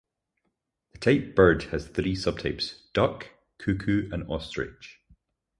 The type "bird" has three subtypes "duck", "cuckoo" and "ostrich".